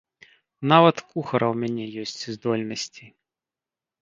Нават кухара ў мяне ёсць здольнасці.